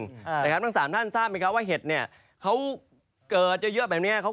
จริงนะครับเห็ดเกิดจากความเหงา